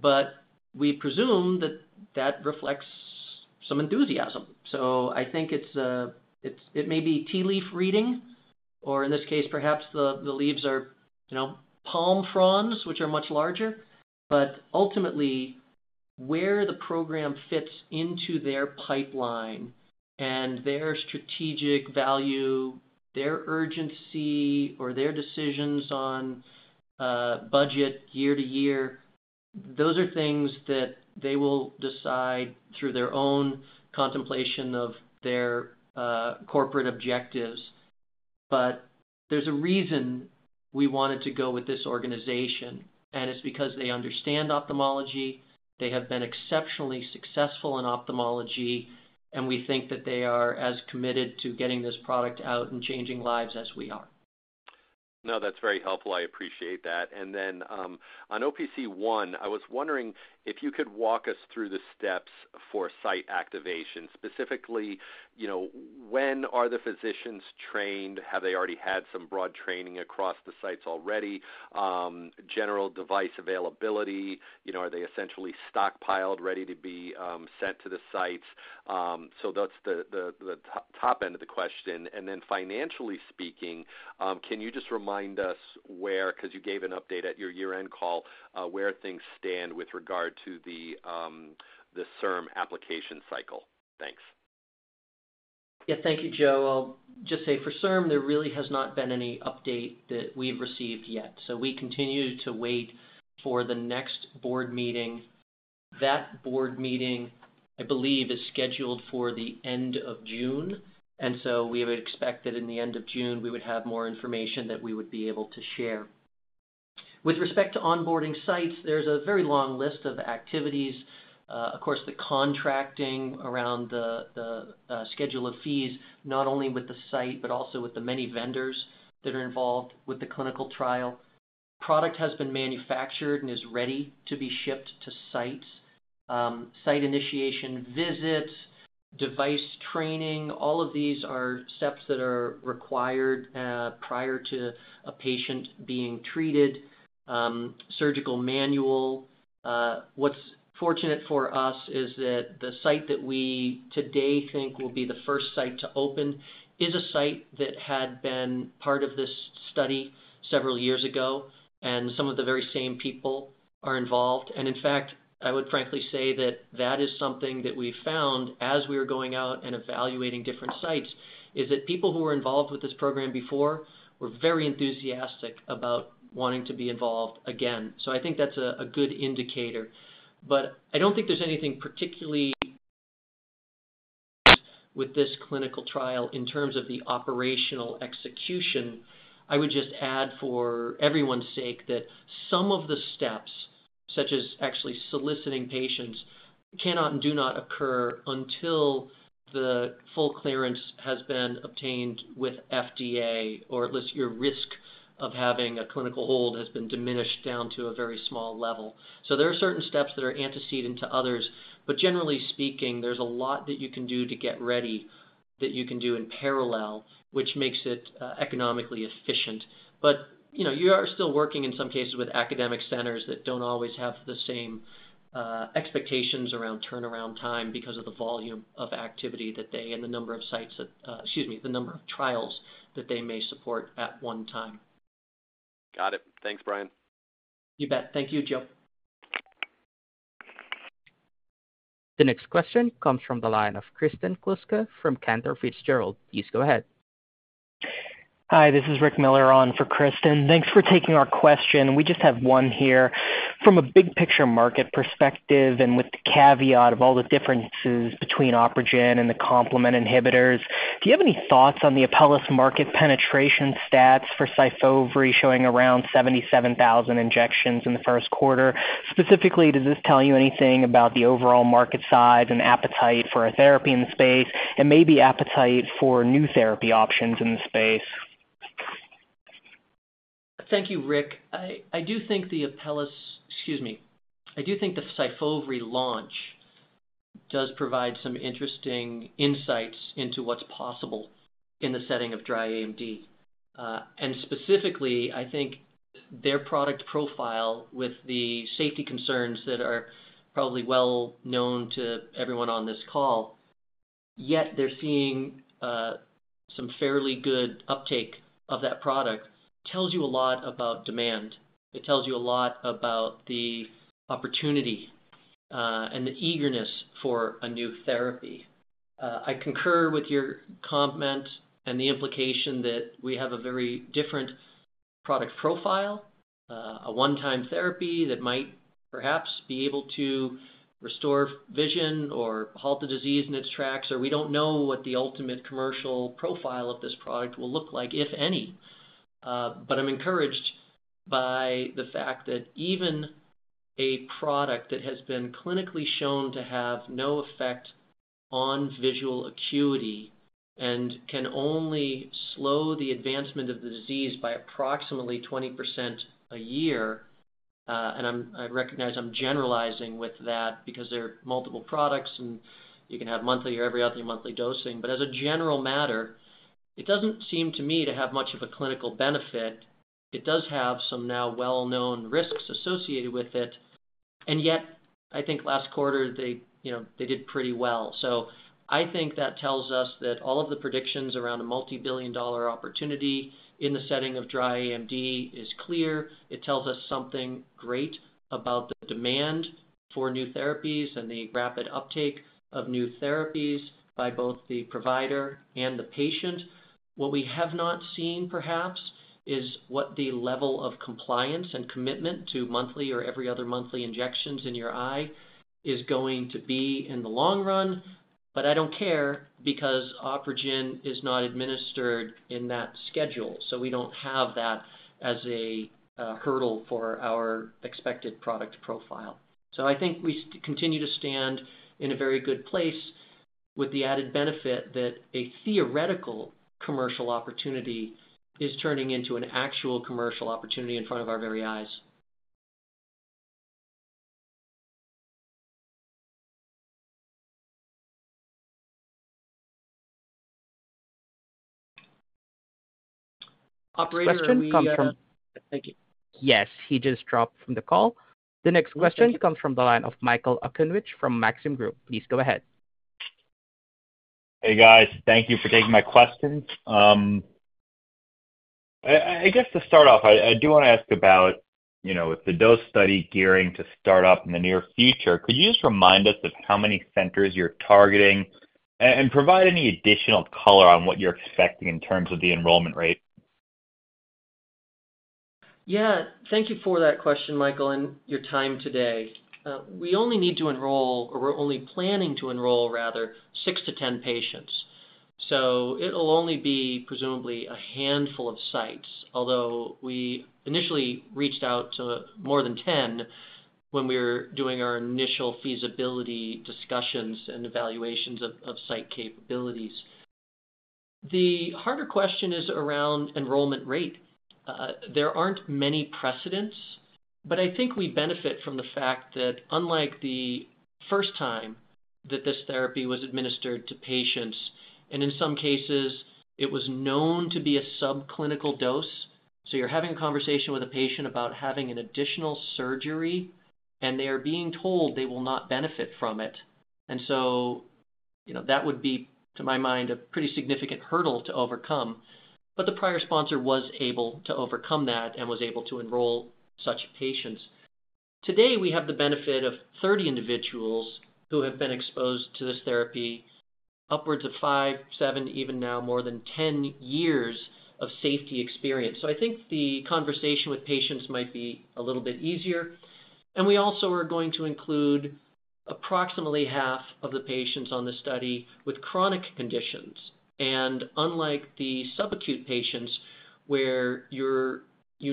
But we presume that that reflects some enthusiasm. So I think it may be tea leaf reading or, in this case, perhaps the leaves are palm fronds, which are much larger. But ultimately, where the program fits into their pipeline and their strategic value, their urgency, or their decisions on budget year-to-year, those are things that they will decide through their own contemplation of their corporate objectives. But there's a reason we wanted to go with this organization, and it's because they understand ophthalmology. They have been exceptionally successful in ophthalmology, and we think that they are as committed to getting this product out and changing lives as we are. No, that's very helpful. I appreciate that. Then on OPC1, I was wondering if you could walk us through the steps for site activation. Specifically, when are the physicians trained? Have they already had some broad training across the sites already? General device availability? Are they essentially stockpiled, ready to be sent to the sites? So that's the top end of the question. And then financially speaking, can you just remind us where because you gave an update at your year-end call where things stand with regard to the CIRM application cycle? Thanks. Yeah. Thank you, Joe. I'll just say for CIRM, there really has not been any update that we've received yet. So we continue to wait for the next board meeting. That board meeting, I believe, is scheduled for the end of June. So we would expect that in the end of June, we would have more information that we would be able to share. With respect to onboarding sites, there's a very long list of activities. Of course, the contracting around the schedule of fees, not only with the site but also with the many vendors that are involved with the clinical trial. Product has been manufactured and is ready to be shipped to sites. Site initiation visits, device training, all of these are steps that are required prior to a patient being treated. Surgical manual. What's fortunate for us is that the site that we today think will be the first site to open is a site that had been part of this study several years ago, and some of the very same people are involved. In fact, I would frankly say that that is something that we found as we were going out and evaluating different sites, is that people who were involved with this program before were very enthusiastic about wanting to be involved again. So I think that's a good indicator. But I don't think there's anything particularly with this clinical trial in terms of the operational execution. I would just add for everyone's sake that some of the steps, such as actually soliciting patients, cannot and do not occur until the full clearance has been obtained with FDA or at least your risk of having a clinical hold has been diminished down to a very small level. So there are certain steps that are antecedent to others. But generally speaking, there's a lot that you can do to get ready that you can do in parallel, which makes it economically efficient. But you are still working, in some cases, with academic centers that don't always have the same expectations around turnaround time because of the volume of activity that they and the number of sites that excuse me, the number of trials that they may support at one time. Got it. Thanks, Brian. You bet. Thank you, Joe. The next question comes from the line of Kristen Kluska from Cantor Fitzgerald. Please go ahead. Hi. This is Rick Miller on for Kristen. Thanks for taking our question. We just have one here. From a big-picture market perspective and with the caveat of all the differences between OpRegen and the complement inhibitors, do you have any thoughts on the Apellis market penetration stats for Syfovre showing around 77,000 injections in the first quarter? Specifically, does this tell you anything about the overall market size and appetite for a therapy in the space and maybe appetite for new therapy options in the space? Thank you, Rick. I do think the Apellis excuse me. I do think the Syfovre launch does provide some interesting insights into what's possible in the setting of dry AMD. And specifically, I think their product profile with the safety concerns that are probably well known to everyone on this call, yet they're seeing some fairly good uptake of that product, tells you a lot about demand. It tells you a lot about the opportunity and the eagerness for a new therapy. I concur with your comment and the implication that we have a very different product profile, a one-time therapy that might perhaps be able to restore vision or halt the disease in its tracks, or we don't know what the ultimate commercial profile of this product will look like, if any. But I'm encouraged by the fact that even a product that has been clinically shown to have no effect on visual acuity and can only slow the advancement of the disease by approximately 20% a year and I recognize I'm generalizing with that because there are multiple products, and you can have monthly or every other monthly dosing. But as a general matter, it doesn't seem to me to have much of a clinical benefit. It does have some now well-known risks associated with it. And yet, I think last quarter, they did pretty well. So I think that tells us that all of the predictions around a multibillion-dollar opportunity in the setting of dry AMD is clear. It tells us something great about the demand for new therapies and the rapid uptake of new therapies by both the provider and the patient. What we have not seen, perhaps, is what the level of compliance and commitment to monthly or every other monthly injections in your eye is going to be in the long run. But I don't care because OpRegen is not administered in that schedule. So we don't have that as a hurdle for our expected product profile. So I think we continue to stand in a very good place with the added benefit that a theoretical commercial opportunity is turning into an actual commercial opportunity in front of our very eyes. Operator? Thank you. Yes. He just dropped from the call. The next question comes from the line of Michael Okunewitch from Maxim Group. Please go ahead. Hey, guys. Thank you for taking my questions. I guess to start off, I do want to ask about if the dose study gearing to start up in the near future, could you just remind us of how many centers you're targeting and provide any additional color on what you're expecting in terms of the enrollment rate? Yeah. Thank you for that question, Michael, and your time today. We only need to enroll or we're only planning to enroll, rather, six-10 patients. So it'll only be presumably a handful of sites, although we initially reached out to more than 10 when we were doing our initial feasibility discussions and evaluations of site capabilities. The harder question is around enrollment rate. There aren't many precedents, but I think we benefit from the fact that unlike the first time that this therapy was administered to patients and in some cases, it was known to be a subclinical dose so you're having a conversation with a patient about having an additional surgery, and they are being told they will not benefit from it. So that would be, to my mind, a pretty significant hurdle to overcome. But the prior sponsor was able to overcome that and was able to enroll such patients. Today, we have the benefit of 30 individuals who have been exposed to this therapy, upwards of five, seven, even now more than 10 years of safety experience. So I think the conversation with patients might be a little bit easier. We also are going to include approximately half of the patients on the study with chronic conditions. Unlike the subacute patients where you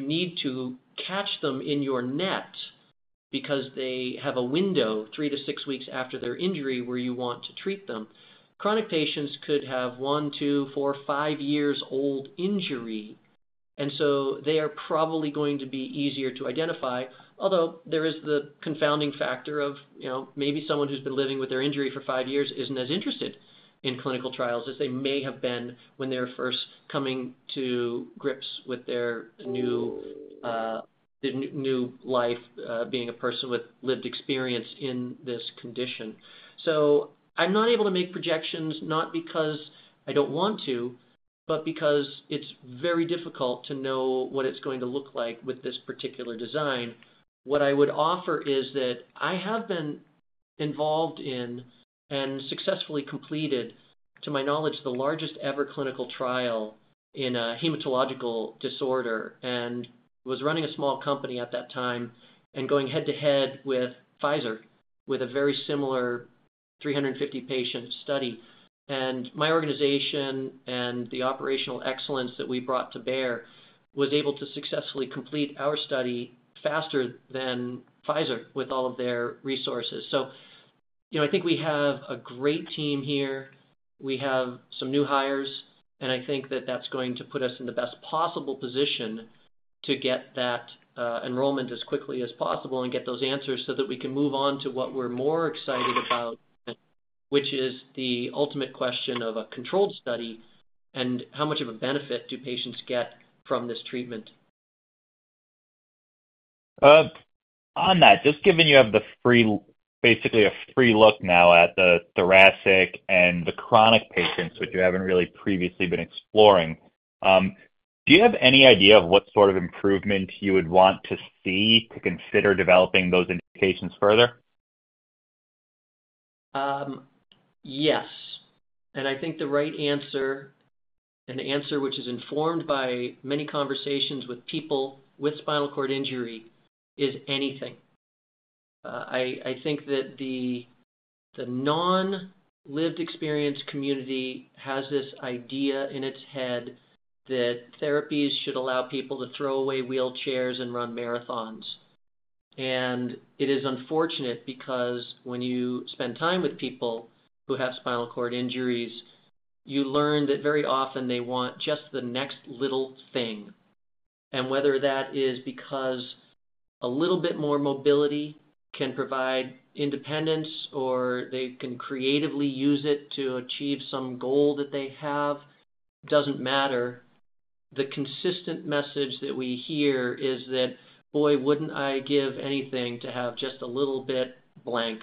need to catch them in your net because they have a window 3-6 weeks after their injury where you want to treat them, chronic patients could have one, two, four, five years old injury. So they are probably going to be easier to identify, although there is the confounding factor of maybe someone who's been living with their injury for five years isn't as interested in clinical trials as they may have been when they were first coming to grips with their new life being a person with lived experience in this condition. So I'm not able to make projections, not because I don't want to, but because it's very difficult to know what it's going to look like with this particular design. What I would offer is that I have been involved in and successfully completed, to my knowledge, the largest ever clinical trial in a hematological disorder and was running a small company at that time and going head to head with Pfizer with a very similar 350-patient study. My organization and the operational excellence that we brought to bear was able to successfully complete our study faster than Pfizer with all of their resources. I think we have a great team here. We have some new hires. I think that that's going to put us in the best possible position to get that enrollment as quickly as possible and get those answers so that we can move on to what we're more excited about, which is the ultimate question of a controlled study, and how much of a benefit do patients get from this treatment? On that, just given you have basically a free look now at the thoracic and the chronic patients, which you haven't really previously been exploring, do you have any idea of what sort of improvement you would want to see to consider developing those indications further? Yes. And I think the right answer and the answer which is informed by many conversations with people with spinal cord injury is anything. I think that the non-lived experience community has this idea in its head that therapies should allow people to throw away wheelchairs and run marathons. And it is unfortunate because when you spend time with people who have spinal cord injuries, you learn that very often, they want just the next little thing. Whether that is because a little bit more mobility can provide independence or they can creatively use it to achieve some goal that they have doesn't matter. The consistent message that we hear is that, "Boy, wouldn't I give anything to have just a little bit blank?"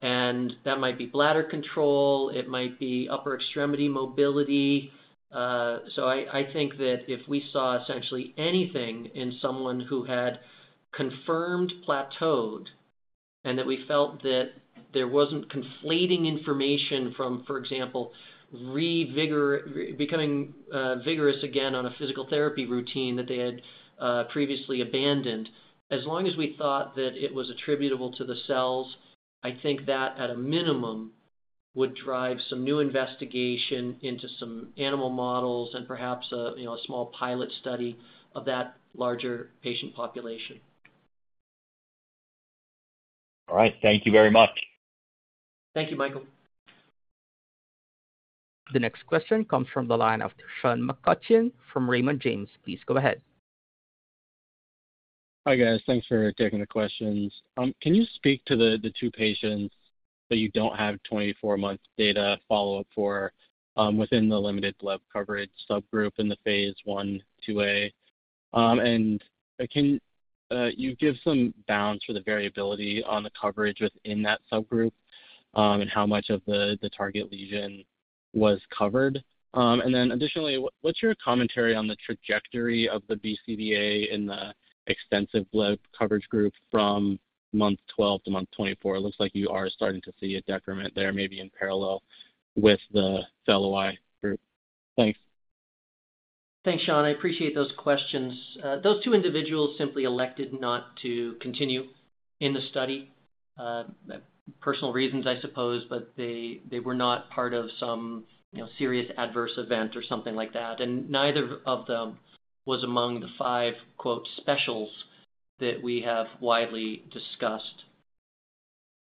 And that might be bladder control. It might be upper extremity mobility. So I think that if we saw essentially anything in someone who had confirmed plateaued and that we felt that there wasn't conflating information from, for example, becoming vigorous again on a physical therapy routine that they had previously abandoned, as long as we thought that it was attributable to the cells, I think that, at a minimum, would drive some new investigation into some animal models and perhaps a small pilot study of that larger patient population. All right. Thank you very much. Thank you, Michael. The next question comes from the line of Sean McCutcheon from Raymond James. Please go ahead. Hi, guys. Thanks for taking the questions. Can you speak to the two patients that you don't have 24-month data follow-up for within the limited bleb coverage subgroup in the Phase I/IIa? And can you give some bounds for the variability on the coverage within that subgroup and how much of the target lesion was covered? And then additionally, what's your commentary on the trajectory of the BCVA in the extensive bleb coverage group from month 12 to month 24? It looks like you are starting to see a decrement there, maybe in parallel with the fellow eye group. Thanks. Thanks, Sean. I appreciate those questions. Those two individuals simply elected not to continue in the study, personal reasons, I suppose, but they were not part of some serious adverse event or something like that. And neither of them was among the five "specials" that we have widely discussed.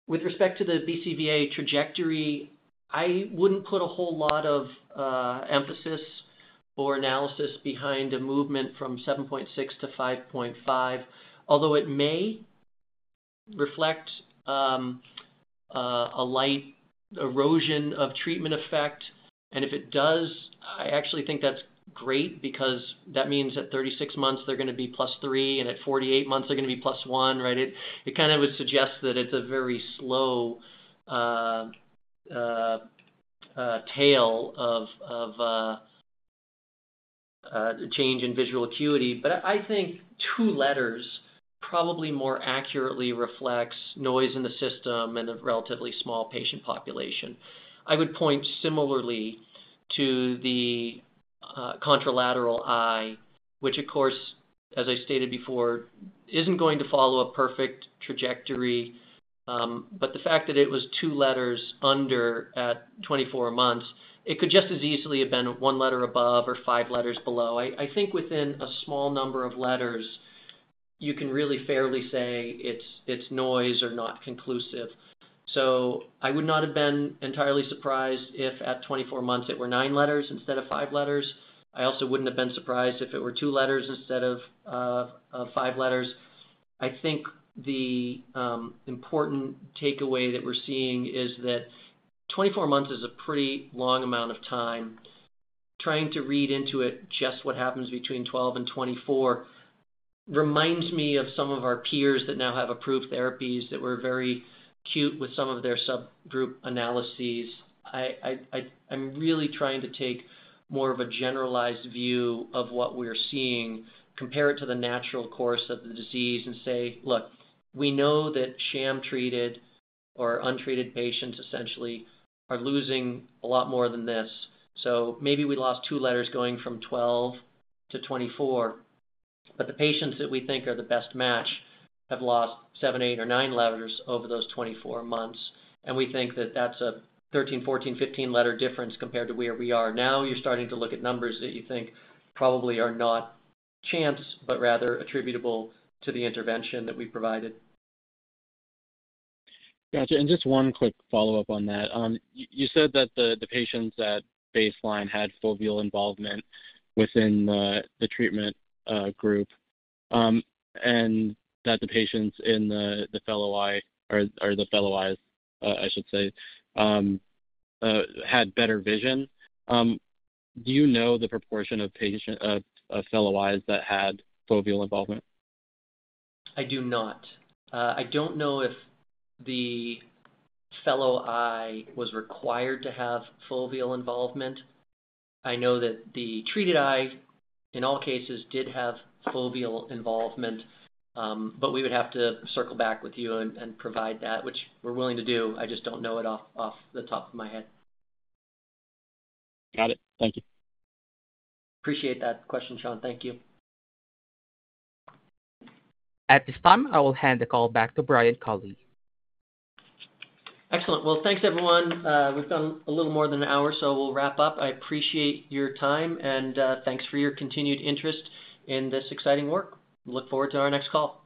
With respect to the BCVA trajectory, I wouldn't put a whole lot of emphasis or analysis behind a movement from 7.6 to 5.5, although it may reflect a light erosion of treatment effect. And if it does, I actually think that's great because that means at 36 months, they're going to be plus three. And at 48 months, they're going to be plus one, right? It kind of would suggest that it's a very slow tail of change in visual acuity. But I think two letters probably more accurately reflects noise in the system and a relatively small patient population. I would point similarly to the contralateral eye, which, of course, as I stated before, isn't going to follow a perfect trajectory. But the fact that it was two letters under at 24 months, it could just as easily have been one letter above or five letters below. I think within a small number of letters, you can really fairly say it's noise or not conclusive. So I would not have been entirely surprised if at 24 months, it were nine letters instead of five letters. I also wouldn't have been surprised if it were two letters instead of five letters. I think the important takeaway that we're seeing is that 24 months is a pretty long amount of time. Trying to read into it just what happens between 12 and 24 reminds me of some of our peers that now have approved therapies that were very cute with some of their subgroup analyses. I'm really trying to take more of a generalized view of what we're seeing, compare it to the natural course of the disease, and say, "Look, we know that sham-treated or untreated patients, essentially, are losing a lot more than this. So maybe we lost two letters going from 12 to 24. But the patients that we think are the best match have lost seven, eight, or nine letters over those 24 months. And we think that that's a 13, 14, 15-letter difference compared to where we are. Now, you're starting to look at numbers that you think probably are not chance but rather attributable to the intervention that we provided." Gotcha. Just one quick follow-up on that. You said that the patients at baseline had foveal involvement within the treatment group and that the patients in the fellow eye or the fellow eyes, I should say, had better vision. Do you know the proportion of fellow eyes that had foveal involvement? I do not. I don't know if the fellow eye was required to have foveal involvement. I know that the treated eye, in all cases, did have foveal involvement. But we would have to circle back with you and provide that, which we're willing to do. I just don't know it off the top of my head. Got it. Thank you. Appreciate that question, Sean. Thank you. At this time, I will hand the call back to Brian Culley. Excellent. Well, thanks, everyone. We've gone a little more than an hour, so we'll wrap up. I appreciate your time, and thanks for your continued interest in this exciting work. Look forward to our next call.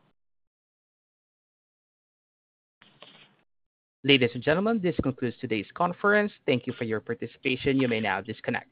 Ladies and gentlemen, this concludes today's conference. Thank you for your participation. You may now disconnect.